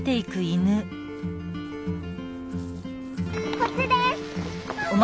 こっちです！